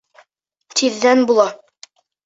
Тиҙҙән була.